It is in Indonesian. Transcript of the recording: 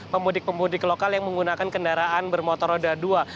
pemudik pemudik lokal yang menggunakan kendaraan bermotor roda dua